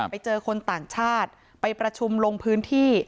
ไปเจอคนต่างชาติไปประชุมลงพื้นที่